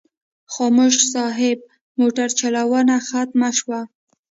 خاموش صاحب موټر چلونه ختمه شوه.